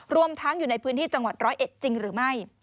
รวมทั้งอยู่ในพื้นที่จังหวัดร้อยเอ็ดจริงหรือไม่